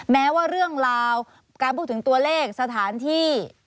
แม้ว่าเรื่องราวการพูดถึงตัวเลขสถานที่